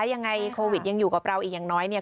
ยังไงโควิดยังอยู่กับเราอีกอย่างน้อยเนี่ย